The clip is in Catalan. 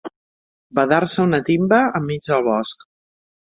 Badar-se una timba enmig del bosc.